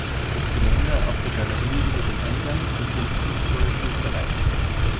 Das Geländer auf der Galerie über dem Eingang enthält kunstvolle Schnitzereien.